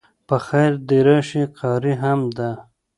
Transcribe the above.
په خیر د راشی قاری هم ده